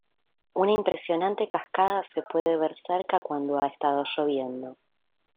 Una impresionante cascada se puede ver cerca cuando ha estado lloviendo.